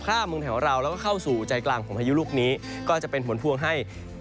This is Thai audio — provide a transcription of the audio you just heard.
ข้ามเมืองแถวเราแล้วก็เข้าสู่ใจกลางของพายุลูกนี้ก็จะเป็นผลพวงให้